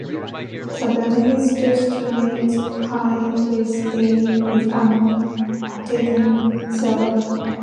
The building is two storeys high with an attic and cellar.